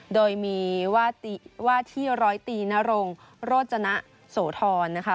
โดยมีว่าที่ร้อยตีนรงโรจนะโสธรนะคะ